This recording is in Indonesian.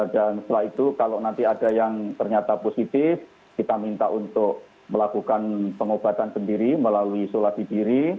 dan setelah itu kalau nanti ada yang ternyata positif kita minta untuk melakukan pengobatan sendiri melalui solat di diri